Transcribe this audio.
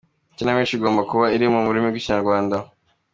Ikinamico igomba kuba iri mu rurimi rw’ikinyarwanda.